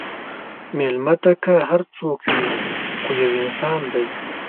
مېلمه ته که هر څوک وي، خو یو انسان دی.